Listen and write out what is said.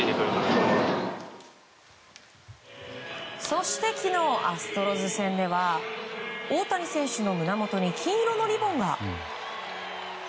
そして、昨日アストロズ戦では大谷選手の胸元に金色のリボンが。